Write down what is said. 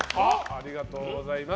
ありがとうございます。